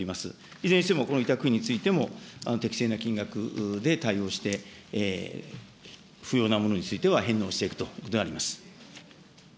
いずれにしてもこの委託費についても、適正な金額で対応して、不要なものについては返納していくということになります。